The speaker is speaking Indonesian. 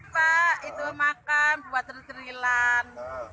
pak itu makam buat terserilan